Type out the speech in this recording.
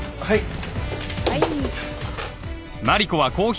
はい。